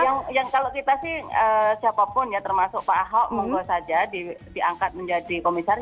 ya yang kalau kita sih siapapun ya termasuk pak ahok monggo saja diangkat menjadi komisaris